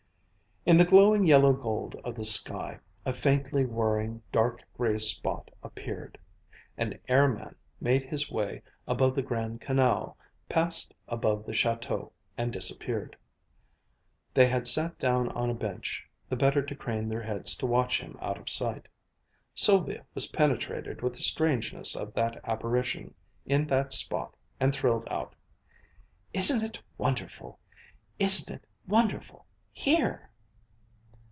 In the glowing yellow gold of the sky, a faintly whirring dark gray spot appeared: an airman made his way above the Grand Canal, passed above the Château, and disappeared. They had sat down on a bench, the better to crane their heads to watch him out of sight. Sylvia was penetrated with the strangeness of that apparition in that spot and thrilled out: "Isn't it wonderful! Isn't it wonderful! _Here!